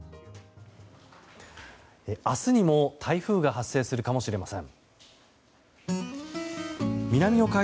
明日にも台風が発生するかもしれません。